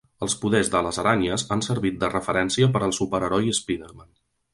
Els poders de les aranyes han servit de referència per al superheroi Spiderman.